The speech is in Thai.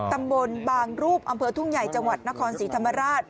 ตำบลบางรูปอำเภอทุ่งใหญ่จังหวัดนครศรีธรรมราช